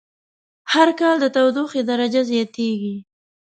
هر کال د تودوخی درجه زیاتیږی